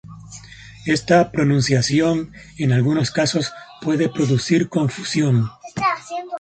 Esta pronunciación en algunos casos puede producir confusión.